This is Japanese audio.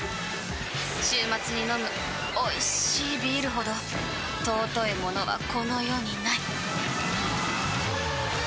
週末に飲むおいしいビールほど尊いものはこの世にない！